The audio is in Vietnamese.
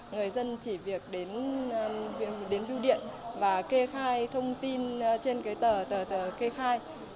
người dân chỉ việc đến bưu điện và kê khai thông tin trên tờ kê khai